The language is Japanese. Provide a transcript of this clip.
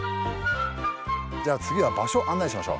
じゃ次は場所案内しましょう。